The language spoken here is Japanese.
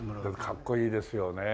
かっこいいですよね。